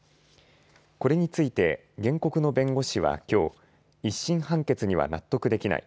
これについて原告の弁護士はきょう、１審判決には納得できない。